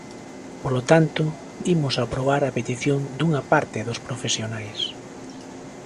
Polo tanto, imos aprobar a petición dunha parte dos profesionais.